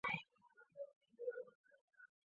但可提供用于文本处理的信息。